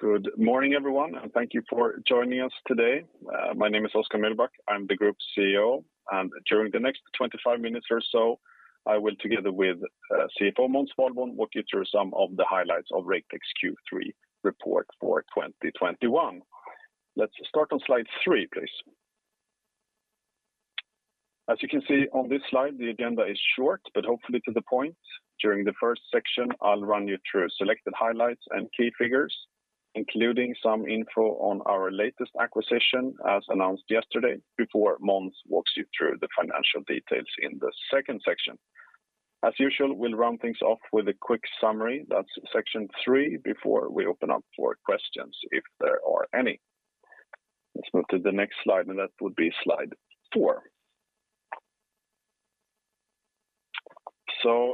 Good morning, everyone and thank you for joining us today. My name is Oskar Mühlbach. I'm the Group CEO, and during the next 25 minutes or so, I will, together with CFO Måns Svalborn, walk you through some of the highlights of Raketech's Q3 report for 2021. Let's start on Slide three, please. As you can see on this slide, the agenda is short, but hopefully to the point. During the first section, I'll run you through selected highlights and key figures, including some info on our latest acquisition, as announced yesterday, before Måns walks you through the financial details in the second section. As usual, we'll round things off with a quick summary. That's Section three, before we open up for questions, if there are any. Let's move to the next slide, and that would be Slide four.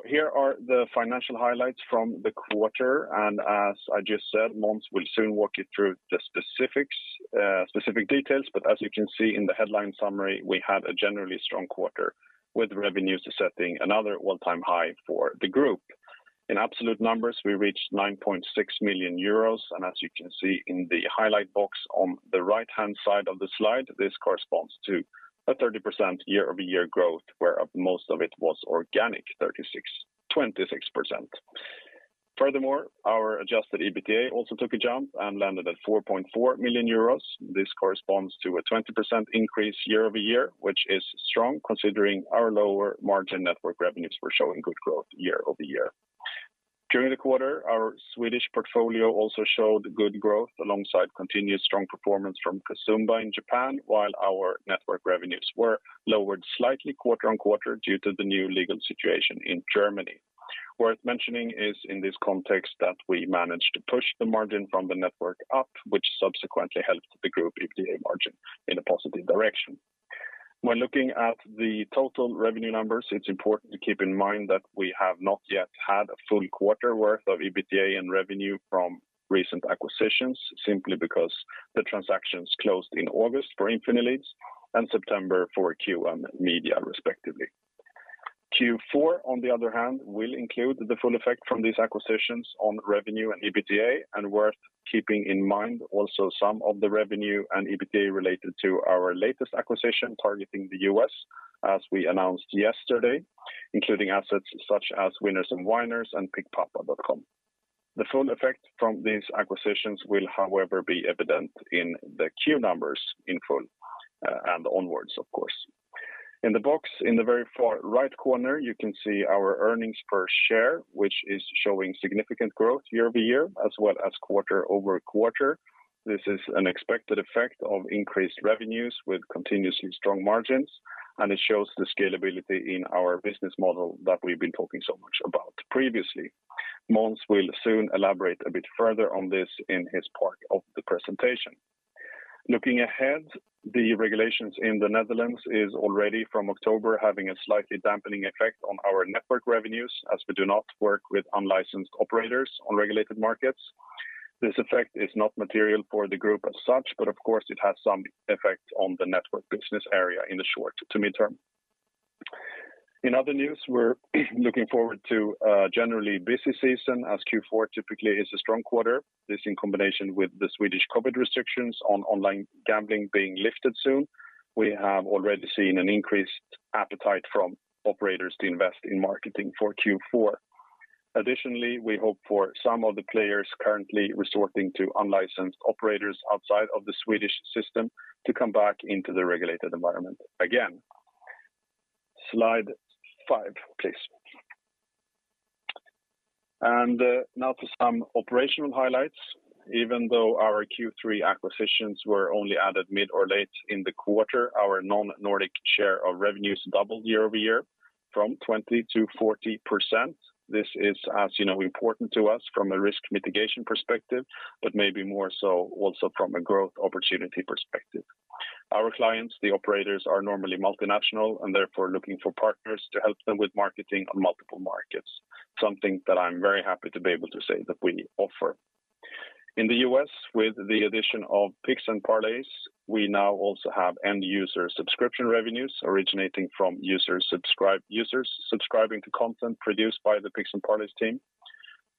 Here are the financial highlights from the quarter. as I just said, Måns will soon walk you through the specifics, specific details. as you can see in the headline summary, we had a generally strong quarter, with revenues setting another all-time high for the Group. In absolute numbers, we reached 9.6 million euros, and as you can see in the highlight box on the right-hand side of the slide, this corresponds to a 30% year-over-year growth, whereof most of it was organic, 26%. Furthermore, our adjusted EBITDA also took a jump and landed at 4.4 million euros. This corresponds to a 20% increase year-over-year, which is strong considering our lower margin network revenues were showing good growth year-over-year. During the quarter, our Swedish portfolio also showed good growth alongside continued strong performance from Casumba in Japan, while our network revenues were lowered slightly quarter-on-quarter due to the new legal situation in Germany. Worth mentioning is in this context that we managed to push the margin from the network up, which subsequently helped the group EBITDA margin in a positive direction. When looking at the total revenue numbers, it's important to keep in mind that we have not yet had a full quarter worth of EBITDA and revenue from recent acquisitions, simply because the transactions closed in August for Infinileads and September for QM Media respectively. Q4, on the other hand, will include the full effect from these acquisitions on revenue and EBITDA. Worth keeping in mind also some of the revenue and EBITDA related to our latest acquisition targeting the U.S., as we announced yesterday, including assets such as Winners and Whiners and PickDawgz.com. The full effect from these acquisitions will however be evident in the Q numbers in full, and onwards of course. In the box in the very far right corner, you can see our earnings per share, which is showing significant growth year-over-year as well as quarter-over-quarter. This is an expected effect of increased revenues with continuously strong margins, and it shows the scalability in our business model that we've been talking so much about previously. Måns will soon elaborate a bit further on this in his part of the presentation. Looking ahead, the regulations in the Netherlands is already from October having a slightly dampening effect on our network revenues as we do not work with unlicensed operators on regulated markets. This effect is not material for the Group as such, but of course it has some effect on the network business area in the short to midterm. In other news, we're looking forward to a generally busy season as Q4 typically is a strong quarter. This in combination with the Swedish COVID restrictions on online gambling being lifted soon, we have already seen an increased appetite from operators to invest in marketing for Q4. Additionally, we hope for some of the players currently resorting to unlicensed operators outside of the Swedish system to come back into the regulated environment again. Slide five, please. Now to some operational highlights. Even though our Q3 acquisitions were only added mid or late in the quarter, our non-Nordic share of revenues doubled year-over-year from 20%-40%. This is, as you know, important to us from a risk mitigation perspective, but maybe more so also from a growth opportunity perspective. Our clients, the operators, are normally multinational and therefore looking for partners to help them with marketing on multiple markets, something that I'm very happy to be able to say that we offer. In the U.S., with the addition of Picks & Parlays, we now also have end user subscription revenues originating from users subscribing to content produced by the Picks & Parlays team.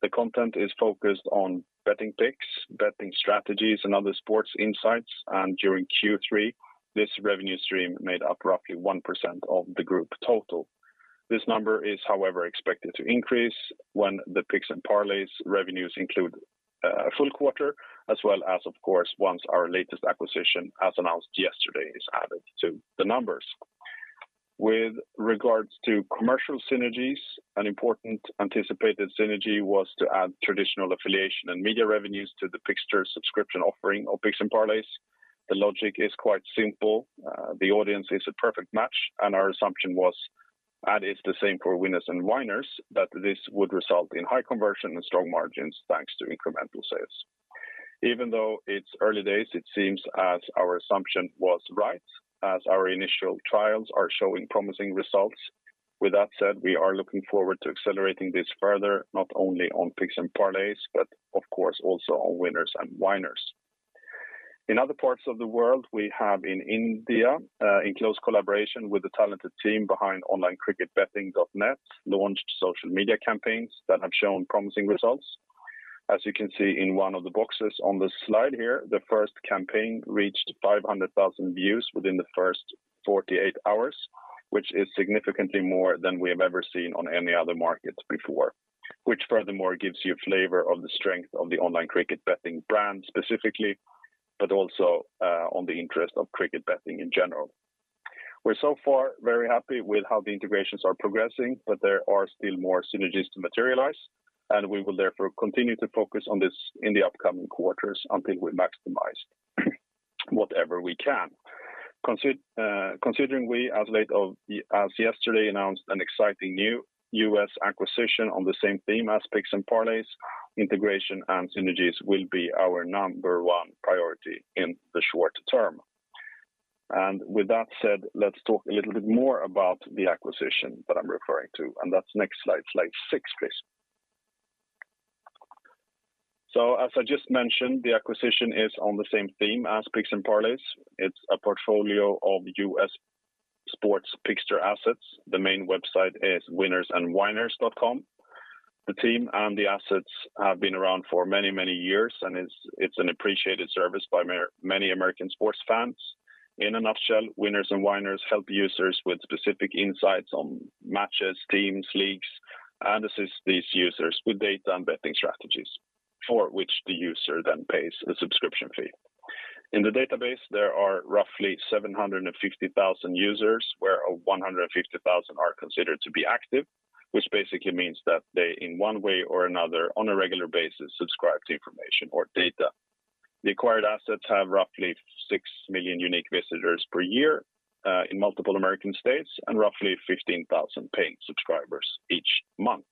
The content is focused on betting picks, betting strategies, and other sports insights, and during Q3, this revenue stream made up roughly 1% of the Group total. This number is however expected to increase when the Picks & Parlays revenues include a full quarter as well as of course once our latest acquisition as announced yesterday is added to the numbers. With regards to commercial synergies, an important anticipated synergy was to add traditional affiliation and media revenues to the fixture subscription offering of Picks & Parlays. The logic is quite simple. The audience is a perfect match and our assumption was, and is the same for Winners and Whiners, that this would result in high conversion and strong margins thanks to incremental sales. Even though it's early days, it seems as our assumption was right as our initial trials are showing promising results. With that said, we are looking forward to accelerating this further, not only on Picks & Parlays, but of course also on Winners and Whiners. In other parts of the world, we have in India, in close collaboration with the talented team behind onlinecricketbetting.net, launched social media campaigns that have shown promising results. As you can see in one of the boxes on the slide here, the first campaign reached 500,000 views within the first 48 hours, which is significantly more than we have ever seen on any other markets before, which furthermore gives you a flavor of the strength of the online cricket betting brand specifically, but also, on the interest of cricket betting in general. We're so far very happy with how the integrations are progressing, but there are still more synergies to materialize, and we will therefore continue to focus on this in the upcoming quarters until we maximize whatever we can. Considering we, as late as yesterday, announced an exciting new U.S. acquisition on the same theme as Picks & Parlays, integration and synergies will be our number one priority in the short term. With that said, let's talk a little bit more about the acquisition that I'm referring to, and that's next slide, Slide six, please. As I just mentioned, the acquisition is on the same theme as Picks & Parlays. It's a portfolio of U.S. sports picks assets. The main website is winnersandwhiners.com. The team and the assets have been around for many, many years, and it's an appreciated service by many American sports fans. In a nutshell, Winners and Whiners help users with specific insights on matches, teams, leagues, and assist these users with data and betting strategies, for which the user then pays a subscription fee. In the database, there are roughly 750,000 users, where 150,000 are considered to be active, which basically means that they, in one way or another, on a regular basis, subscribe to information or data. The acquired assets have roughly 6 million unique visitors per year in multiple American states and roughly 15,000 paying subscribers each month.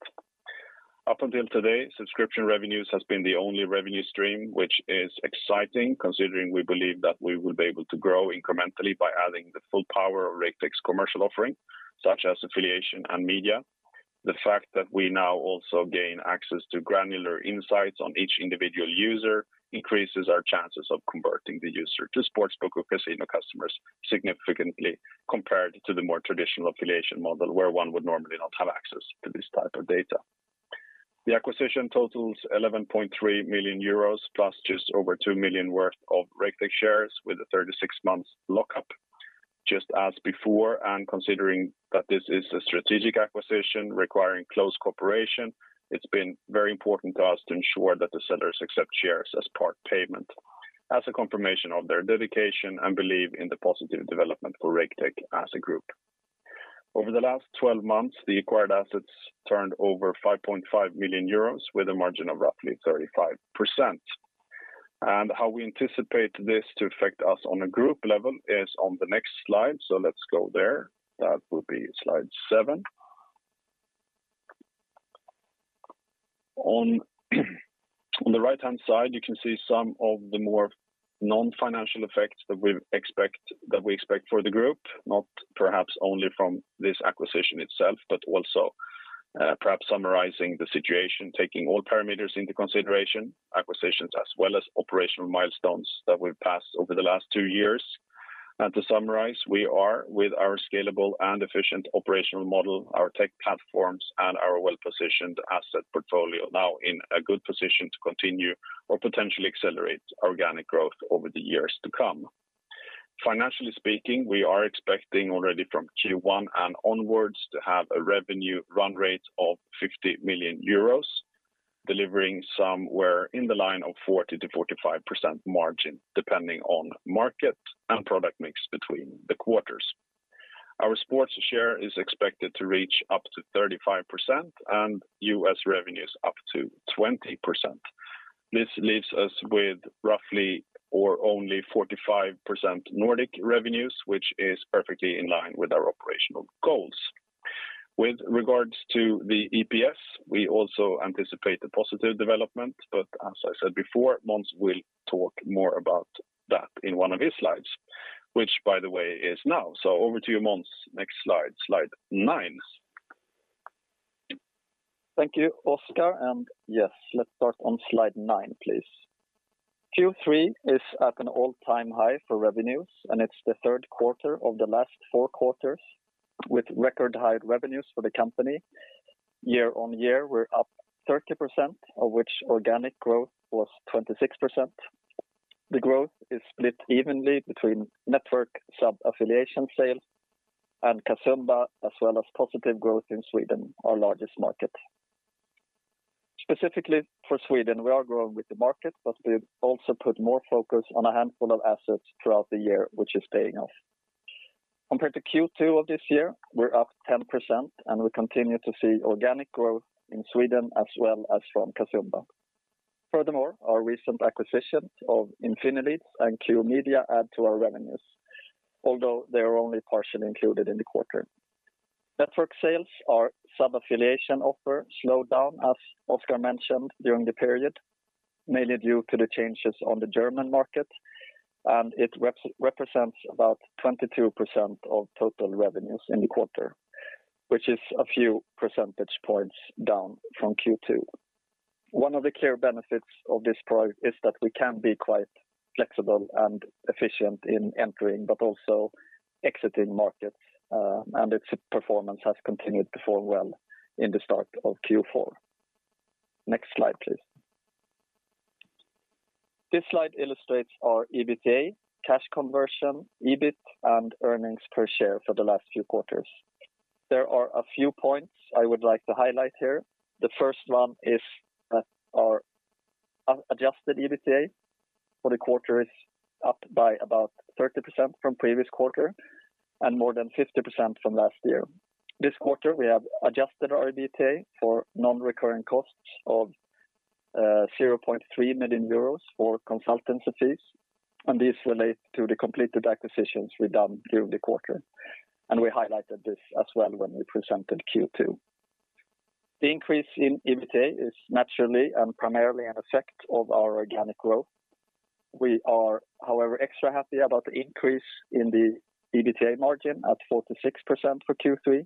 Up until today, subscription revenues has been the only revenue stream, which is exciting considering we believe that we will be able to grow incrementally by adding the full power of Raketech's commercial offering, such as affiliation and media. The fact that we now also gain access to granular insights on each individual user increases our chances of converting the user to sportsbook or casino customers significantly compared to the more traditional affiliation model, where one would normally not have access to this type of data. The acquisition totals 11.3 million euros, plus just over 2 million worth of Raketech shares with a 36-month lockup. Just as before, and considering that this is a strategic acquisition requiring close cooperation, it's been very important to us to ensure that the sellers accept shares as part-payment, as a confirmation of their dedication and belief in the positive development for Raketech as a Group. Over the last 12 months, the acquired assets turned over 5.5 million euros with a margin of roughly 35%. How we anticipate this to affect us on a group level is on the next slide. Let's go there. That will be Slide seven. On the right-hand side, you can see some of the more non-financial effects that we expect for the Group, not perhaps only from this acquisition itself, but also, perhaps summarizing the situation, taking all parameters into consideration, acquisitions as well as operational milestones that we've passed over the last two years. To summarize, we are, with our scalable and efficient operational model, our tech platforms, and our well-positioned asset portfolio, now in a good position to continue or potentially accelerate organic growth over the years to come. Financially speaking, we are expecting already from Q1 and onwards to have a revenue run rate of 50 million euros, delivering somewhere in the line of 40%-45% margin, depending on market and product mix between the quarters. Our sports share is expected to reach up to 35% and U.S. revenues up to 20%. This leaves us with roughly or only 45% Nordic revenues, which is perfectly in line with our operational goals. With regards to the EPS, we also anticipate a positive development, but as I said before, Måns will talk more about that in one of his slides, which by the way is now. Over to you, Måns. Next slide, Slide nine. Thank you, Oskar. Yes, let's start on Slide nine, please. Q3 is at an all-time high for revenues, and it's the third quarter of the last four quarters with record high revenues for the company. Year-on-year, we're up 30%, of which organic growth was 26%. The growth is split evenly between network sub-affiliation sale and Casumba, as well as positive growth in Sweden, our largest market. Specifically for Sweden, we are growing with the market, but we've also put more focus on a handful of assets throughout the year, which is paying off. Compared to Q2 of this year, we're up 10% and we continue to see organic growth in Sweden as well as from Casumba. Furthermore, our recent acquisitions of Infinileads and QM Media add to our revenues, although they are only partially included in the quarter. Network sales, our sub-affiliation offer slowed down, as Oskar mentioned, during the period, mainly due to the changes on the German market, and it represents about 22% of total revenues in the quarter, which is a few percentage points down from Q2. One of the clear benefits of this product is that we can be quite flexible and efficient in entering but also exiting markets, and its performance has continued to perform well in the start of Q4. Next slide, please. This slide illustrates our EBITDA, cash conversion, EBIT, and earnings per share for the last few quarters. There are a few points I would like to highlight here. The first one is that our adjusted EBITDA for the quarter is up by about 30% from previous quarter and more than 50% from last year. This quarter, we have adjusted our EBITDA for non-recurring costs of 0.3 million euros for consultancy fees, and these relate to the completed acquisitions we done during the quarter. We highlighted this as well when we presented Q2. The increase in EBITDA is naturally and primarily an effect of our organic growth. We are, however, extra happy about the increase in the EBITDA margin at 46% for Q3.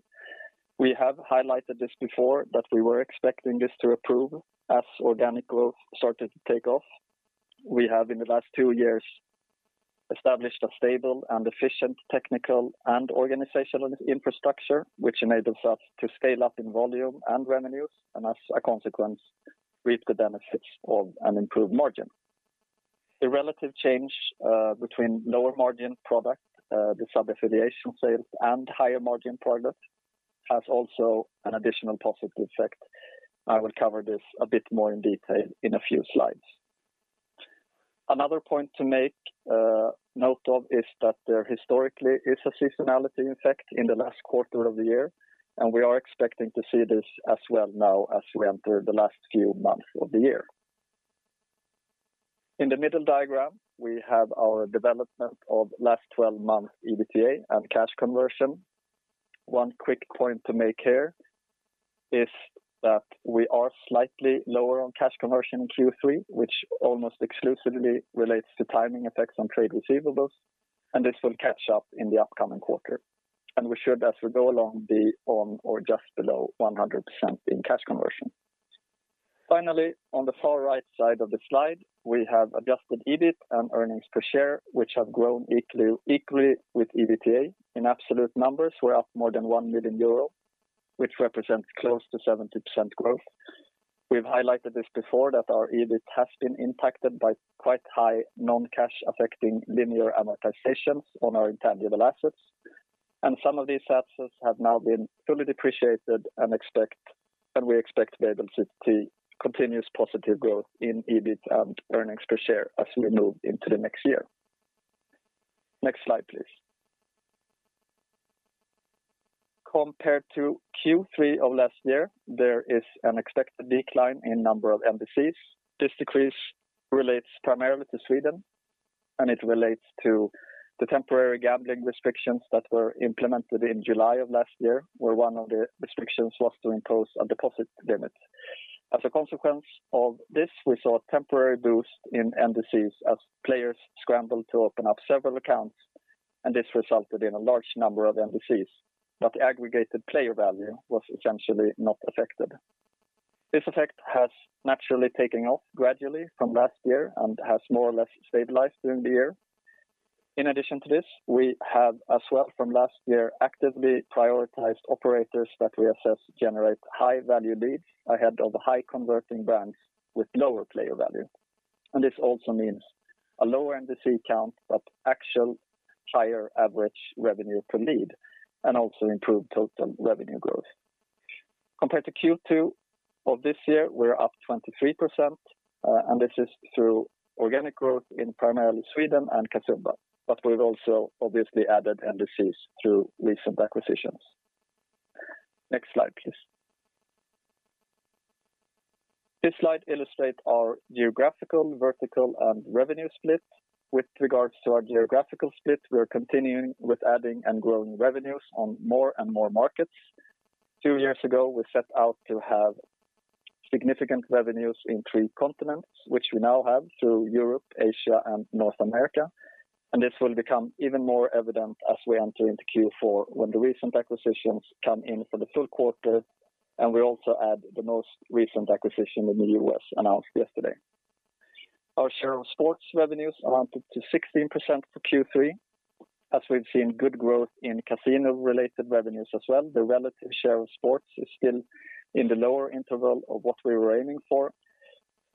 We have highlighted this before that we were expecting this to improve as organic growth started to take off. We have in the last two years established a stable and efficient technical and organizational infrastructure, which enables us to scale up in volume and revenues and as a consequence, reap the benefits of an improved margin. The relative change between lower margin product, the sub-affiliation sales and higher margin product has also an additional positive effect. I will cover this a bit more in detail in a few slides. Another point to make, note of is that there historically is a seasonality effect in the last quarter of the year, and we are expecting to see this as well now as we enter the last few months of the year. In the middle diagram, we have our development of last 12 months EBITDA and cash conversion. One quick point to make here is that we are slightly lower on cash conversion in Q3, which almost exclusively relates to timing effects on trade receivables, and this will catch up in the upcoming quarter. We should, as we go along, be on or just below 100% in cash conversion. Finally, on the far right side of the slide, we have adjusted EBIT and earnings per share, which have grown equally with EBITDA. In absolute numbers, we're up more than 1 million euro, which represents close to 70% growth. We've highlighted this before that our EBIT has been impacted by quite high non-cash affecting linear amortizations on our intangible assets. Some of these assets have now been fully depreciated and we expect to continue positive growth in EBIT and earnings per share as we move into the next year. Next slide, please. Compared to Q3 of last year, there is an expected decline in number of MPCs. This decrease relates primarily to Sweden, and it relates to the temporary gambling restrictions that were implemented in July of last year, where one of the restrictions was to impose a deposit limit. As a consequence of this, we saw a temporary boost in MPCs as players scrambled to open up several accounts, and this resulted in a large number of MPCs. Aggregated player value was essentially not affected. This effect has naturally taken off gradually from last year and has more or less stabilized during the year. In addition to this, we have as well from last year actively prioritized operators that we assess generate high value leads ahead of high converting brands with lower player value. This also means a lower MPC count, but actual higher average revenue per lead and also improved total revenue growth. Compared to Q2 of this year, we're up 23%, and this is through organic growth in primarily Sweden and Casumba, but we've also obviously added MPCs through recent acquisitions. Next slide, please. This slide illustrate our geographical, vertical, and revenue split. With regards to our geographical split, we are continuing with adding and growing revenues on more and more markets. Two years ago, we set out to have significant revenues in three continents, which we now have through Europe, Asia, and North America. This will become even more evident as we enter into Q4, when the recent acquisitions come in for the full quarter, and we also add the most recent acquisition in the U.S. announced yesterday. Our share of sports revenues amounted to 16% for Q3, as we've seen good growth in casino-related revenues as well. The relative share of sports is still in the lower interval of what we were aiming for.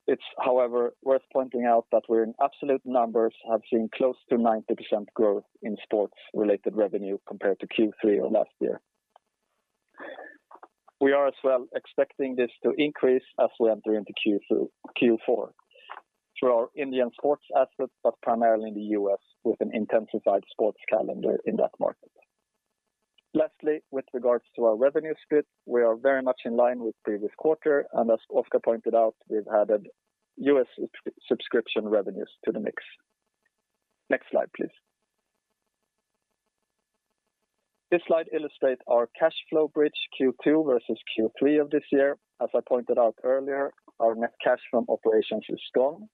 It's however, worth pointing out that we're in absolute numbers, have seen close to 90% growth in sports-related revenue compared to Q3 of last year. We are as well expecting this to increase as we enter into Q4 through our Indian sports assets, but primarily in the U.S. with an intensified sports calendar in that market. Lastly, with regards to our revenue split, we are very much in line with previous quarter, and as Oskar pointed out, we've added U.S. subscription revenues to the mix. Next slide, please. This slide illustrates our cash flow bridge Q2 versus Q3 of this year. As I pointed out earlier, our net cash from operations has grown.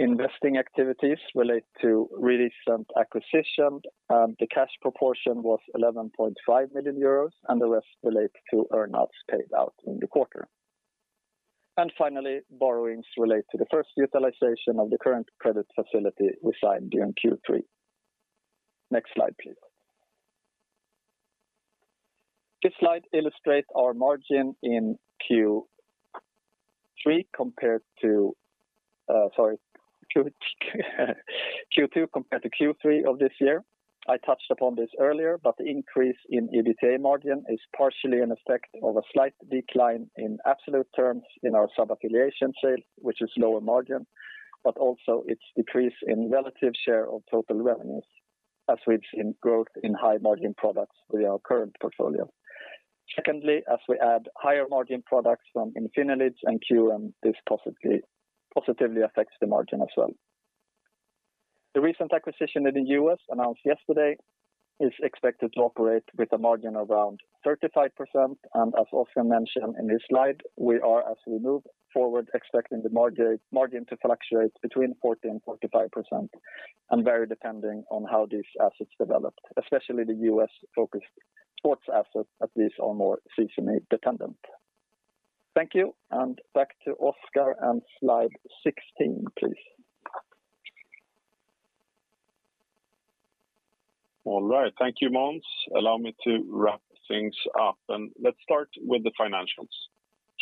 Investing activities relate to recent acquisition, and the cash portion was 11.5 million euros, and the rest relate to earnouts paid out in the quarter. Finally, borrowings relate to the first utilization of the current credit facility we signed during Q3. Next slide, please. This slide illustrates our margin in Q2 compared to Q3 of this year. I touched upon this earlier, but the increase in EBITDA margin is partially an effect of a slight decline in absolute terms in our SubAffiliation sales, which is lower-margin. Also its decrease in relative share of total revenues as we've seen growth in high-margin products via our current portfolio. Secondly, as we add higher-margin products from Infinileads and QM, this positively affects the margin as well. The recent acquisition in the U.S. announced yesterday is expected to operate with a margin around 35%. As also mentioned in this slide, we are, as we move forward, expecting the margin to fluctuate between 40%-45% and vary depending on how these assets develop, especially the U.S.-focused sports assets, these are more seasonally dependent. Thank you. Back to Oskar and Slide 16, please. All right. Thank you, Måns. Allow me to wrap things up, and let's start with the financials.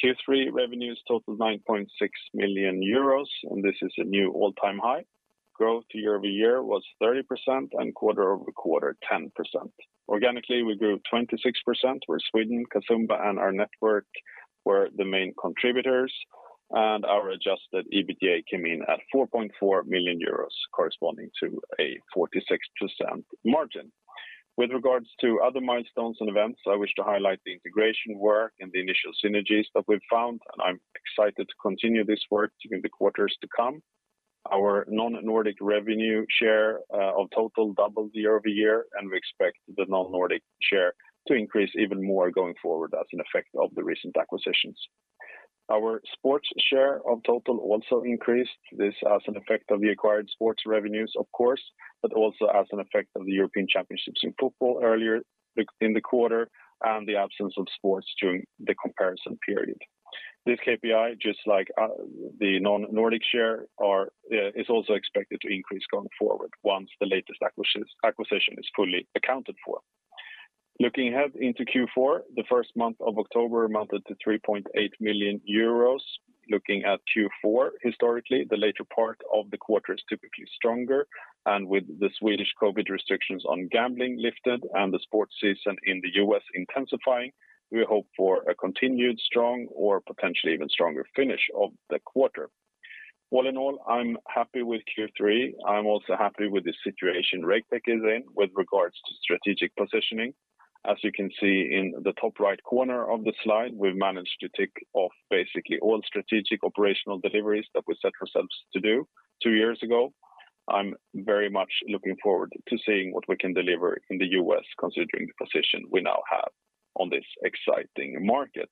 Q3 revenues totaled 9.6 million euros, and this is a new all-time high. Growth year-over-year was 30% and quarter-over-quarter, 10%. Organically, we grew 26%, where Sweden, Casumba, and our network were the main contributors, and our adjusted EBITDA came in at 4.4 million euros, corresponding to a 46% margin. With regards to other milestones and events, I wish to highlight the integration work and the initial synergies that we've found, and I'm excited to continue this work during the quarters to come. Our non-Nordic revenue share of total doubled year-over-year, and we expect the non-Nordic share to increase even more going forward as an effect of the recent acquisitions. Our sports share of total also increased this as an effect of the acquired sports revenues, of course, but also as an effect of the European championships in football earlier in the quarter and the absence of sports during the comparison period. This KPI, just like, the non-Nordic share is also expected to increase going forward once the latest acquisition is fully accounted for. Looking ahead into Q4, the first month of October amounted to 3.8 million euros. Looking at Q4 historically, the later part of the quarter is typically stronger. With the Swedish COVID restrictions on gambling lifted and the sports season in the U.S. intensifying, we hope for a continued strong or potentially even stronger finish of the quarter. All in all, I'm happy with Q3. I'm also happy with the situation Raketech is in with regards to strategic positioning. As you can see in the top right corner of the slide, we've managed to tick off basically all strategic operational deliveries that we set ourselves to do two years ago. I'm very much looking forward to seeing what we can deliver in the U.S., considering the position we now have on this exciting market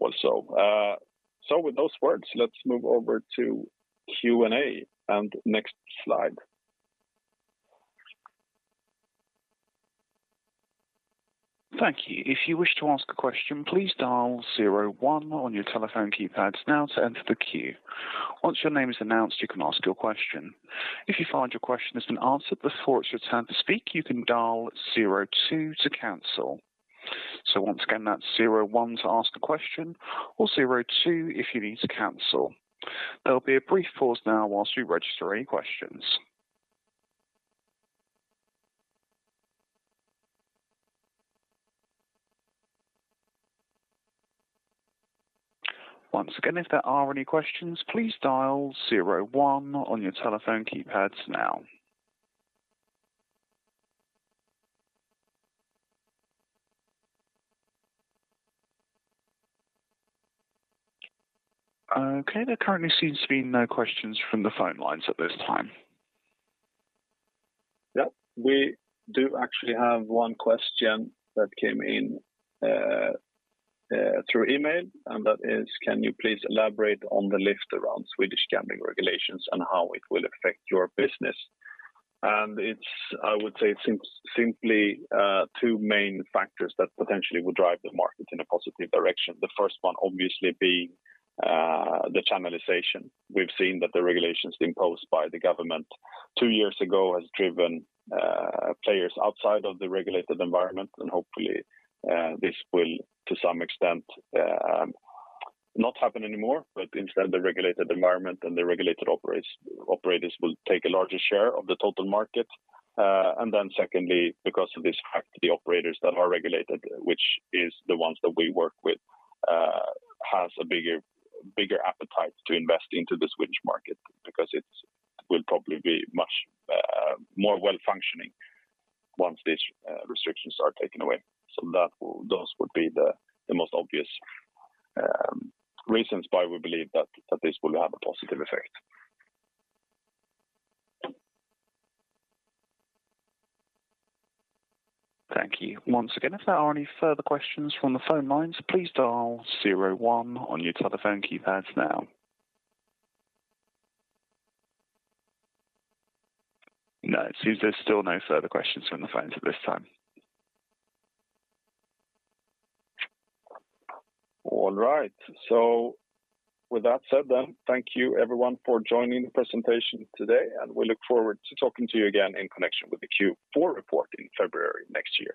also. With those words, let's move over to Q&A, and next slide. Thank you. If you wish to ask a question, please dial zero one on your telephone keypads now to enter the queue. Once your name is announced, you can ask your question. If you find your question has been answered before it's your turn to speak, you can dial zero two to cancel. Once again, that's zero one to ask a question or zero two if you need to cancel. There'll be a brief pause now while we register any questions. Once again, if there are any questions, please dial zero one on your telephone keypads now. Okay. There currently seems to be no questions from the phone lines at this time. Yeah. We do actually have one question that came in through email, and that is, can you please elaborate on the lift around Swedish gambling regulations and how it will affect your business? I would say it's simply two main factors that potentially will drive the market in a positive direction. The first one obviously being the channelization. We've seen that the regulations imposed by the government two years ago has driven players outside of the regulated environment. Hopefully this will, to some extent, not happen anymore. Instead, the regulated environment and the regulated operators will take a larger share of the total market. Secondly, because of this fact, the operators that are regulated, which is the ones that we work with, has a bigger appetite to invest into the Swedish market because it will probably be much more well-functioning once these restrictions are taken away. Those would be the most obvious reasons why we believe that this will have a positive effect. Thank you. Once again, if there are any further questions from the phone lines, please dial zero one on your telephone keypads now. No, it seems there's still no further questions from the phones at this time. All right. With that said then, thank you everyone for joining the presentation today, and we look forward to talking to you again in connection with the Q4 report in February next year.